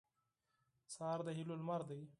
سهار د هیلو لمر دی.